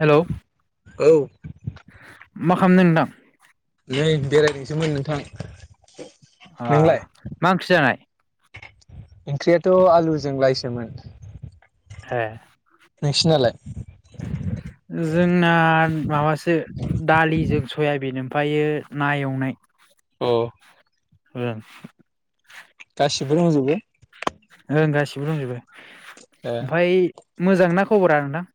Hello औ। मा खामदो नोंथां? नै बेरायदोंसोमोन नोंथां। आ नोंलाय मा ओंख्रि जानाय? ओंख्रियाथ' आलुजों लायसोमोन। ए [inaudible] जोंना माबासो दालिजों स सयाबिन ओमफ्रायो ना एवन अ ओं। गासिबो दंजोबो ओं गासिबो दंजोबो। ए ओमफाय मोजां ना खबरा नोंथां?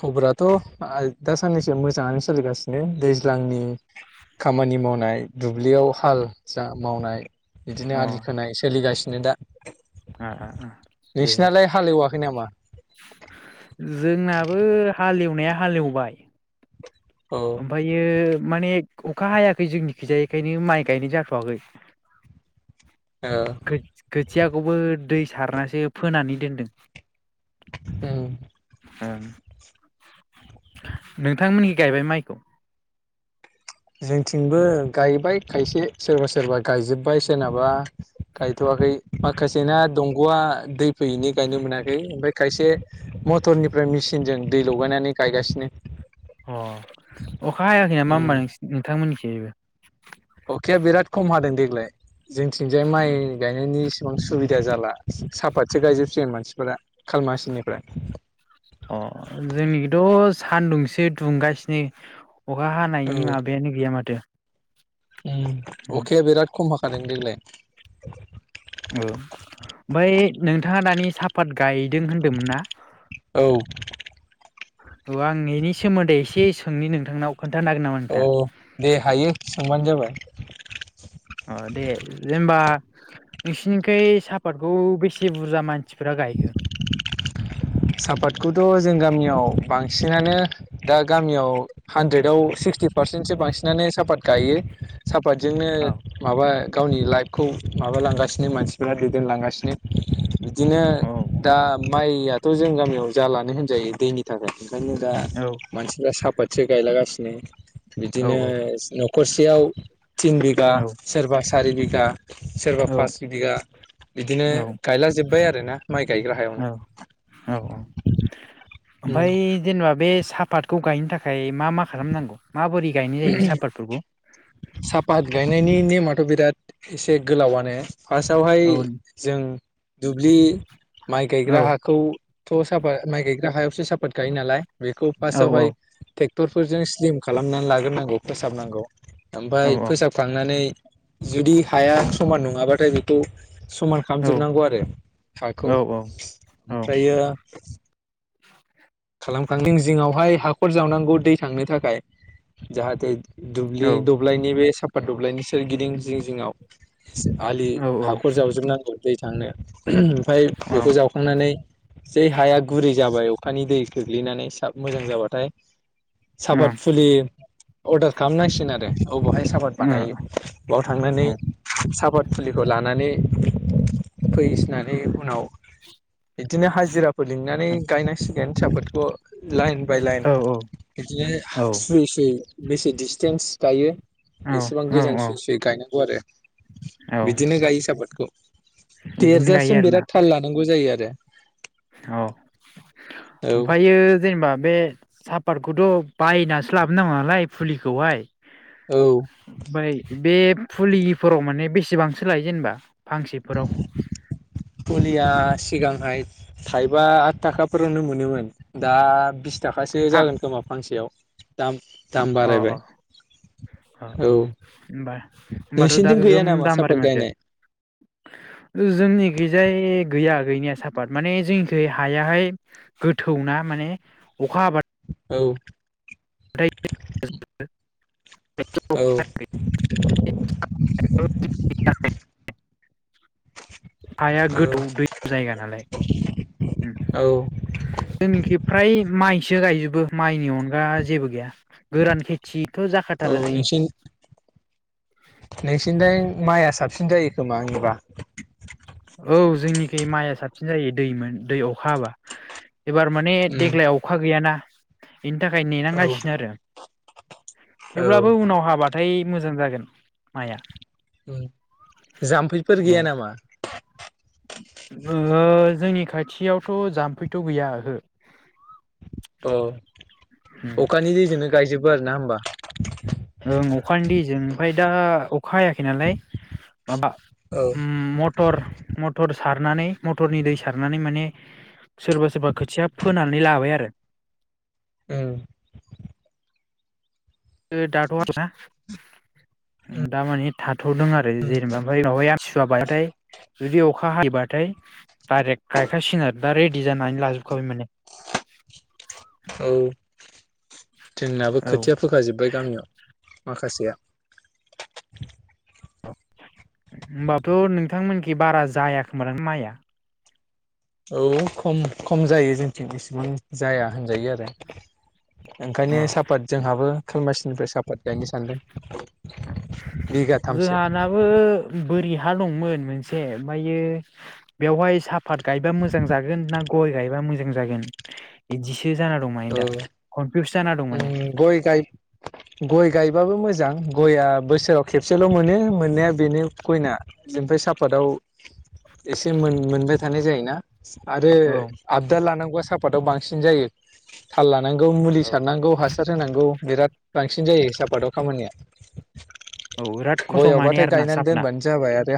खबराथ आहा दा साननैसो मोजाङानो सोलिगासिनो दैज्लांनि खामानि मावनाय दुब्लियाव हाल जा मावनाय बिदिनो अ आलि खोनाय सोलिगासि नै दा आ आ आ दे दे। नोंसिनालाय हालेवाखै नामा जोंनाबो हालेवनाया हालेवबाय औ ओ ओमफायो माने अखा हायाखै जोंनिखैजाय इखायनो माइ गायनाय जाथवाखै। खोथ-खोथियाखौबो दै सारनासो फोनानै दोनदों । उम ओं नोंथांमोननि गायबाय माय खौ जोंथिंबो गायबाय खायसे सोरबा सोरबा गायजोब्बाय सोरनाबा गायथवाखै माखासेना दंगआ दै फैयैनि गायनो मोनाखै ओमफाय खायसे मटरनिफ्राय मेसिनजों दै लगायनानै गायगासिनो । अ अखा हाखै नामा उम होमबा नोंसिनिथिं? नोंथांमोननि थिंजायबो अखाया बिराद खम हादों देग्लाय । जोंथिंजाय माइ गायनायनिस उम सुबिदा जाला साफातसो गायजोबसिगोन मानसिफोरा । अ जोंनिखैथ सानदुंसे दुंगासिनो अखा हानायनि माबायानो गैया माथो । उं अखाया बिराद खम हादों देग्लाय । ओ बै नोंथाङा दानि साफात गाय दों होनदों मोनना? औ औ आं इनि सोमोन्दै एसे सोंनि नोंथांनाव खोन्थानो हागोन नामा अ नोंथां दे हायो सोंबानो जाबाय । आ दे जेमबा नोंसिनिखै सापातखौ बेसे बुरजा मानसिफ्रा गायगोन? सापातखौथ' जों गामियाव बांसिनानो दा गामियाव हानद्रेडआव सिक्सटि पारसेन्टसो बांसिनानो सापात गायो । सापातजोंनो औ माबा गावनि लाइफखौ माबालांगासिनो मानसिफोरा दैदेनलांगासिनो। बिदिनो औ दा माइ या थ' जों गामियाव जालानो होनजायो दैनि थाखाय । ओंखायनो दा औ मानसिफ्रा साफ फाद गायलागासिनो औ बिदिनो सिनफ खरसेयाव थिन बिगा औ सोरबा सारि बिघा सोरबा औ फास बिघा बिदिनो गायलाजोब्बाय आरोना । औ औ औ। ओमफाय जेनेबा बे साफातखौ गायनो थाखाय मा मा खालामनांगौ? माबोरै गायनाय जायो बे सापातफोरखौ? सापात गायनायनि नेमाथ थ' बिराद एसे गोलावानो फार्स्टआवहाय औ जों दुब्लि माइ औ गायग्रा हाखौ थ' सापात माइ गायग्रा हायावसो सापात गायो नालाय। बेखौ औ औ पासावहाय टेक टरफोरजों स्लिम खालामनानै लाग्रोनांगौ फोसाबनांगौ। औ ओमफाय फोसाबखांनानै जुदि हाया समान नङाबाथाय बेखौ समान औ खालामजोबनांगौ आरो औ हाखौ। औ ओमफ्रायो खालाम खांना जिं जिङावहाय हाखर जावनांगौ दै थांनो थाखाय। जाहाथे औ दुब्लि दब्लायनि बे सब फाद दब्लायनि सोरगिदिं जिं जिङाव आलि औ हाखर जावजोब नांगौ। दै थांनो ओमफाय बेखौ जावखांनानै जै हाया गुरै जाबाय अख अखानि दै । गोग्लैनानै साब मोजां जाबाथाय सापात फुलि अर्दार खालामनांसिगोन आरो । बबावहाय साफाद बानायो बेयाव थांनानै साफाद फुलिखौ लानानै फैसिनानै उनाव बिदिनो हाजिराफोर लिंनानै गायनां सिगोन गेन साफोर । ग । लाइन बाय लाइन बिदिनो औ सुयै सुयै । बेसे डिसटेन्स थायो । एसेबां गोजान औ सुय सुयै गायनांगौ आरो औ बिदिनो गायो सापादखौ । बिदिनो गायो देरजासिम आरोना बिराद थाल लानां बो जायो आरो। औ औ ओमफ्रायायो जेनेबा बे सापातखौथ' बायनासो लाबोन नांगौ नालाय फुलिखौहाय। औ बाय बे फुलिफोराव माने बेसेबांसो लायो जेनेबा फांसेफोराव? फुलिया सिगांहाय थाइबा आदताका फोरावनो मोनोमोन दा बिस थाखासो फा जागोन खोमा फांसेयाव। दाम। दाम अ अ बारायबाय अ औ अ होनबा होनबाथ' दा नोंसिनिथिं गैया गोगोम नामा दामबारि सापात माथो गायनाय जोंनि गैजाय गैया गैनाया साफात माने जोंनिखै हायाहाय गोथौ ना माने अखा ह औ। [unintelligible] औ हाया औ गोथौ दै जायगा नालाय औ जोंनिखि फ्राय माइ इसो गायजोबो माइनि अनगा जेबो गैया। गोरान खेथिथ' जाखाथारा जोंनिख। नैसि द माइया साबसिन जायो खोमा आंनिबा। औ जोंनिखि माइआ साबसिन जायो दैमोन दै अखा हाबा। एबार माने उम देग्लाय अखा गैयाना। बेनि थाखाय औ नेनांगासिनो आरो औ थेवब्लाबो उनाव हाबाथाय मोजां जागोन माइआ। उम जाम्फैफोर औ गैया नामा? ओ जोंनि खाथियावथ' जाम्फैथ' गैया ओहो। अ उम अखानि दैजोंनो गायजोबो आरो ना होमबा। ओं अखानि दैजों ओमफ्राय दा अखा हायाखै नालाय माबा औ उम मटर मटर सारनानै मथरनि दै सारनानै माने सोरबा सोरबा खोथिया फोनानै लाबाय आरो। औ। दाथ' आर ना दामाने था थ'दों आरो जेनेबा ओमफ्राय बेवहाय आमथिसुवा बायबाथाय जुदि अखा हायोबाथाय डाइरेक्ट गायखासिगोन आरो दा रेडि जानानै लाजोबखाबाय माने। औ। जोंनाबो औ खोथिया फोखाजोबबाय गामियाव। माखासेया। होनोमबाथ' नोंथांमोनखि बारा जायाखोमा माइया। औ खम खम जायो जोंनिथिं बेसेबां जाया होनजायो आरो। ओंखायनो अ सापात जोंहाबो खालामगासि निफ्राय साफात गायनो सानदों‌। जोंहानाबो बोरि हा दंमोन मोनसे ओमफ्रायो बेवहाय सा फात गायबा मोजां जागोन ना गय गायबा मोजां जागोन इदि औ माने गय गाय गय गायबाबो मो जां गया बोसोराव खेबसेल मोनो मोननाया बेनो गयना ओमफ्राय साफाताव एसे मोनबाय थानाय जायोना। आरो औ आबदल लानांगौआ साफादाव बांसिन जायो। थाल लानो नांगौ मुलि औ सारनांगौ हासार होनांगौ बिराद बांसिन जायो सापातआव खामानिया बिराद खस्थ' माने गययावबाथाय आरोना गायनानै साफना दोनबानो जाबाय आरो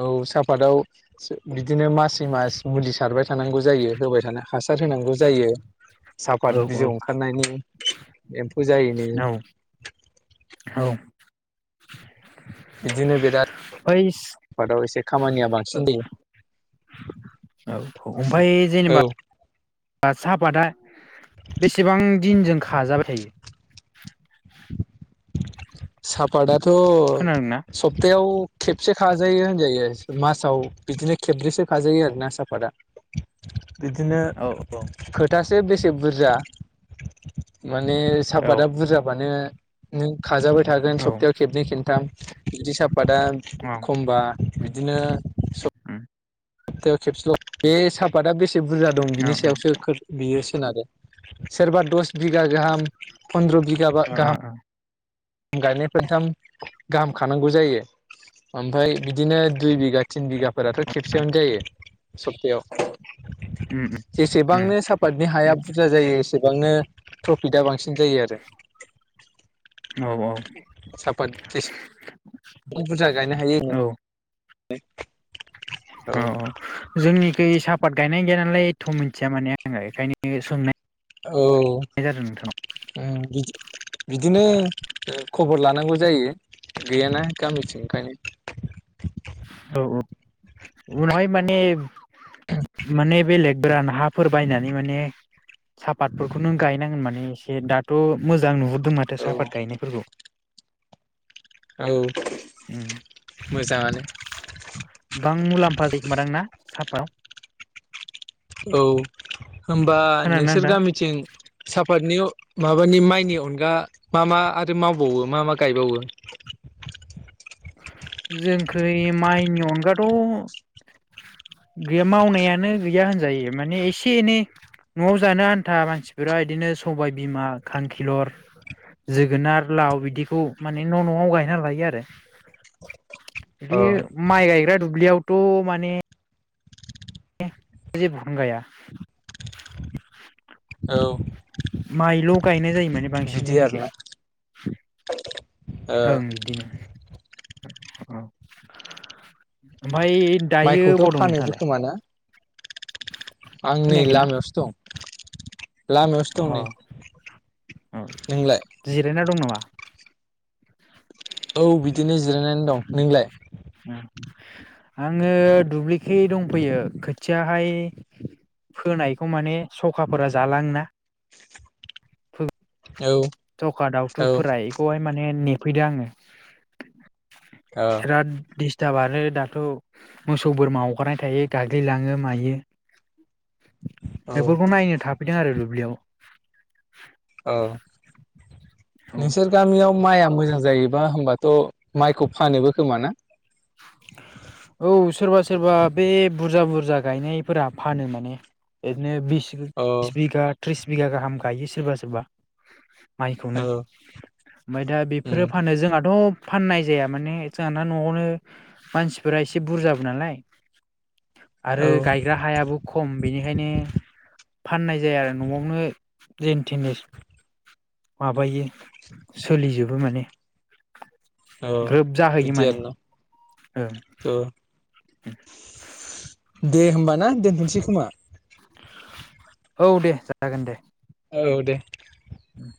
औ साहाफातआव बि बिदिनो मासै मास मुलि सारबाय थानांगौ। जायो होबाय थानो हासार होनांगौ। जायो साफात औ औ बिजौ ओंखारनायनि एम्फौ जायैनि औ औ बिदिनो बिराद ओमफ्राय आफादाव एसे खामानिया बांसिन जायो औ औ साहापादा बेसेबां दिनजों खाजाबाय थायो सापाताथ खोनादोंना सप्थायाव खेबसे खाजायो होनजायो मासाव बिदिनो खेब्रैसो खाजायो आरो ना साफादा बिदिनो औ फोथा से बेसे बुरजा माने औ साहापादा बुरजाबानो नों खाजा बाय थागोन औ सप्तायाव खबै खिन्थाम जि सब [unintelligible] आबादा खमबा बिदिनो [unintelligible] सप्थायाव खेबसेल बे सापाता बेसे से बुरजा दं बिनि सायावसो खो बियो सोरनारो सोरबा दस बिगा गाहाम फन्दद्र' बिगा औ गाहाम गायनाय फोनथाम गाहाम खानांगौ जायो ओमफ्राय बिदिनो दुइ बिगा थिन बिगा फोराथ' खेथ सेयां जायो सब्तायाव जेसेबांनो सापातनि हाया बुरजा जायो सेबांनो टफिक‌आ बांसिन जायो आरो साफत जेसे औ बुरजा गायनो हायो ओं औ है औ औ जोंनिखै साब आबाद गायनाय गैया नालाय थ' मिथिया माने आङो बेनिखायनो सोंनाय औ जादों नोंथांनाव उम बिदि बिदिनो ओ खबर लानांगौ जायो गैया ना गामिथिं ओंखायनो औ औ उनावहाय माने माने बेल गोरान हाफोर बायनानै माने साहापातफोरखौनो गायनांगोन माने एसे दाथ' मोजां नुहुरदों माथो औ साहाफात गायनायफोरबौ औ मोजा बां मुलाम्फा जायो खोमादां ना? साब फाव। औ। होमबा खोनादोंना नोंसोर नोंथां? गामिथिं साफातनि माबानि माइनि अनगा मा मा आरो मावबावो मा मा गायबावो? जोंखै माइनि अनगाथ' गैया मावनायानो गैया होनजायो माने एसे एनै न'आव जानो आन्था मानसिफोरा इदिनो सबाय बिमा, खांखिलर, जोगोनार, लाव बिदिखौ माने न' न'आव गायना लायो आरो। अ बिदि माइ गाय बे दुब्लियावथ' माने ए जेबखनो गाया। [inaudible] औ। माइल' गायनाय जायो माने बांसिन बिदि जोंनिखै। आरोना ओ ओं बिदिनो। अ उमफ फाय दायो माइखौथ' अबाव दं फानोबो नोंथाङालाय? खोमा ना? आं नै खोनायाखैना लामायावसो दं। लामायावसो दं अ नै अ नोंलाय? जिरायना दं नामा? औ बिदिनो जि जिरायनानै दं। नोंलाय? आङो दुब्लिखे दंफैयो खोथियाहाय फोनायखौ माने सखाफोरा जालाङ ना [inaudible] फो औ सखा औ दावथुफोरा एखौहाय माने ने फैदो आङो। ओ बिराद दिस्टाराब आरो द थ' मोसौ बोरमा हगारनाय थायो गाग्लिलाङो मायो। औ बेफोरखौ नायनो थाफैदों आरो दुब्लियाव। औ। औ नोंसोर गामियाव माइआ मोजां जायोबा होमबाथ' माइखौ फानोबो खोमा ना? औ सोरबा सोरबा बे बुरजा बुरजा गायनायफोरा फानो माने बिदिनो बिस अ बिस बिघा त्रिस बिघा गाहाम गायो सोरबा सोरबा। माइखौनो औ ओमफाय दा उम बेफोरो फानो जोंहाथ' फाननाय जाया माने जोहाना न'आवनो मानसिफोरा एसे बुरजाबो नालाय आरो औ गायग्रा हायाबो खम बेनिखायनो फाननाय जाया आरो न'आवनो जेन थेन माबायो सोलिजोबो माने। औ ग्रोब जाहैयो बिदि माने। आरोना औ [inaudible] दे होमबा ना दोनथ'नोसै खोमा। औ दे जागोन दे। औ दे। उम।